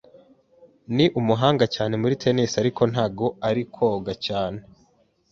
Ni umuhanga cyane muri tennis, ariko ntabwo ari koga cyane.